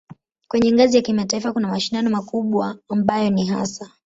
Kwenye ngazi ya kimataifa kuna mashindano makubwa ambayo ni hasa